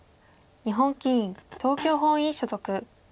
日本棋院東京本院所属。